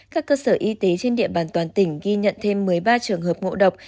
các cơ sở y tế trên địa bàn toàn tỉnh ghi nhận thêm một mươi ba trường hợp ngộ độc